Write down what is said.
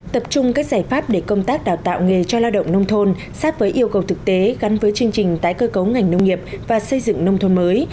tập trung các giải pháp để công tác đào tạo nghề cho lao động nông thôn sát với yêu cầu thực tế gắn với chương trình tái cơ cấu ngành nông nghiệp và xây dựng nông thôn mới